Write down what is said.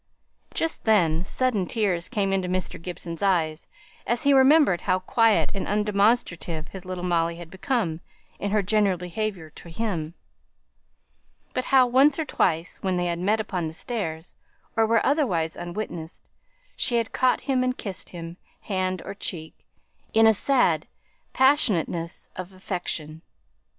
Just then sudden tears came into Mr. Gibson's eyes, as he remembered how quiet and undemonstrative his little Molly had become in her general behaviour to him; but how once or twice, when they had met upon the stairs, or were otherwise unwitnessed, she had caught him and kissed him hand or cheek in a sad passionateness of affection.